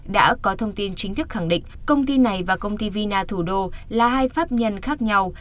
đã có thông tin chính thức khẳng định công ty này và công ty vina thủ đô là hai pháp nhân khác nhau